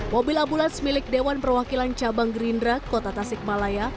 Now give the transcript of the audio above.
mobil ambulans milik dewan perwakilan cabang gerindra kota tasikmalaya